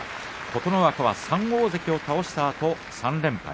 琴ノ若は３大関を倒したあと３連敗。